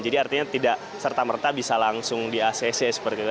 jadi artinya tidak serta merta bisa langsung diaksesi seperti itu